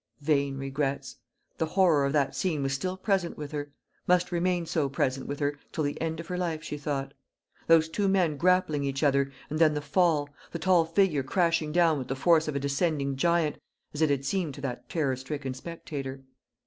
Vain regrets. The horror of that scene was still present with her must remain so present with her till the end of her life, she thought. Those two men grappling each other, and then the fall the tall figure crashing down with the force of a descending giant, as it had seemed to that terror stricken spectator.